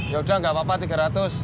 yaudah nggak apa apa tiga ratus